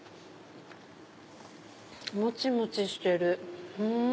もちもちしてる。